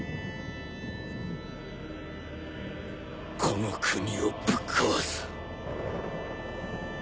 この国をぶっ壊す！